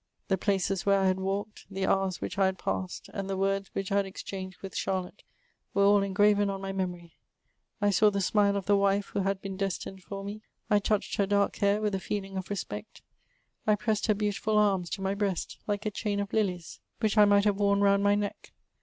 The places where I had walked, the hours which I had passed, and the words which I had exchanged widi Charlotte, were sJl engraven on my memofy : I saw the smile of the wife who had been destined for me ; I touched her dark hiur with a feeling of respect ; I pressed her beautiful arms to my breast, like a chain of lilies which I might have worn round my neck.